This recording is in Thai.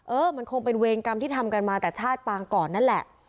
เออมันคงเป็นเวรกรรมที่ทำกันมาแต่ชาติปางก่อนนั่นแหละ